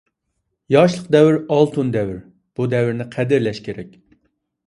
ياشلىق — دەۋر ئالتۇن دەۋر. بۇ دەۋرىنى قەدىرلەش كېرەك.